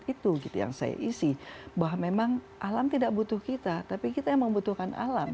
itu gitu yang saya isi bahwa memang alam tidak butuh kita tapi kita yang membutuhkan alam